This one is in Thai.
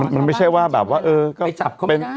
มันไม่ใช่ว่าแบบว่าเออ